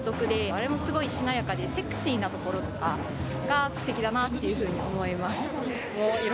あれもすごいしなやかでセクシーなところとかが素敵だなっていう風に思います。